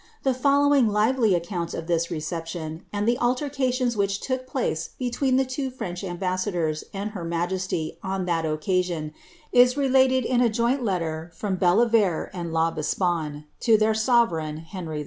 The following lively account of this reception, am) the altercations which took place between the two French ambassadors and her majesty on that occasion, is related in 8 joint letter from Bellie>n and L'Aubespine to tlieir own sovereign, Henry HI.'